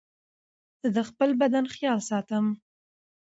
زه د خپل بدن خيال ساتم.